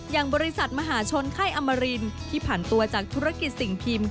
อย่างบริษัทมหาชนไข้อมรินที่ผ่านตัวจากธุรกิจสิ่งพิมพ์